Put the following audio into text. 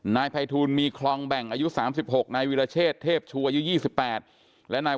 นายไพทูลมีคลองแบ่งอายุ๓๖นายวิลเชษเทพชอายุ๒๘